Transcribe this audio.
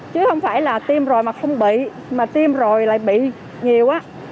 chứ không phải là tim rồi mà không bị mà tiêm rồi lại bị nhiều á